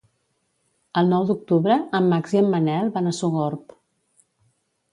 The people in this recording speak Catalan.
El nou d'octubre en Max i en Manel van a Sogorb.